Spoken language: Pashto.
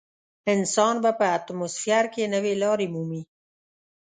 انسان به په اتموسفیر کې نوې لارې مومي.